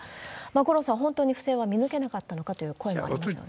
五郎さん、本当に不正は見抜けなかったのかという声もありますよね。